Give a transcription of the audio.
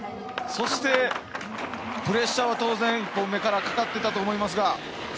そしてプレッシャーは当然１本目からかかっていたと思いますが。